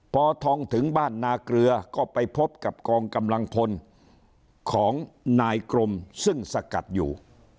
พอทองถึงบ้านนาเกลือก็ไปพบกับกองกำลังพลของนายกรมซึ่งสกัดอยู่